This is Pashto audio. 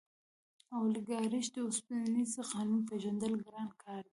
د اولیګارشۍ د اوسپنیز قانون پېژندل ګران کار دی.